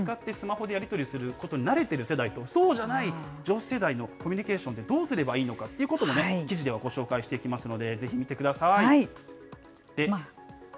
記事にはこの先、じゃあ上司ならではの悩みとか、絵文字を使ってスマホでやり取りすることに慣れてる世代と、そうじゃない上司世代のコミュニケーションって、どうすればいいのかってこともね、記事ではご紹介していきますので、ぜひ見てください。